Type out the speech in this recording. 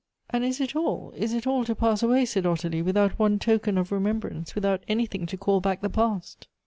"And is it all, is it all to pass away," said Ottilie, "without one token of remembrance, without anything to call back the past